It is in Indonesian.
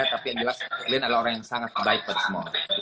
tapi yang jelas glenn adalah orang yang sangat baik buat semua